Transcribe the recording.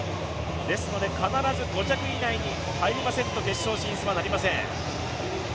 ですので、必ず５着以内に入りませんと決勝進出はなりません。